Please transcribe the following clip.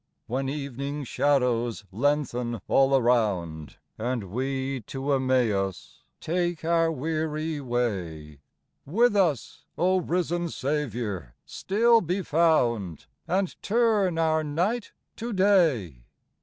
When evening shadows lengthen all around, And we to Emmaus take our weary way, With us, O risen Saviour, still be found, And turn our night to day.